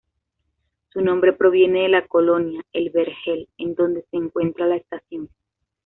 Su nombre proviene de la colonia El Vergel en donde se encuentra la estación.